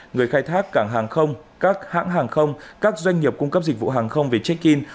người khai thác cảng hàng không các hãng hàng không các doanh nghiệp cung cấp dịch vụ hàng không về check in